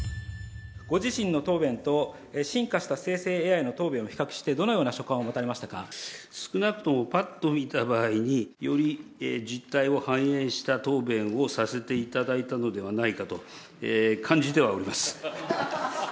ご自身の答弁と進化した生成ＡＩの答弁を比較して、どのような所感を持た少なくとも、ぱっと見た場合に、より実態を反映した答弁をさせていただいたのではないかと感じてはおります。